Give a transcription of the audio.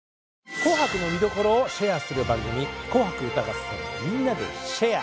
「紅白」の見どころをシェアする番組「紅白歌合戦＃みんなでシェア！」。